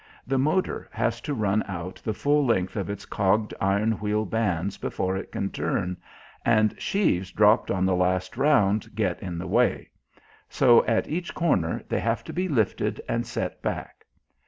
The motor has to run out the full length of its cogged iron wheel bands before it can turn, and sheaves dropped on the last round get in the way; so at each corner they have to be lifted and set back.